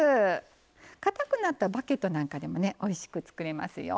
かたくなったバゲットなんかでもおいしく作れますよ。